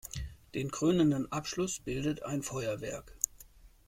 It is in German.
Den krönenden Abschluss bildet ein Feuerwerk.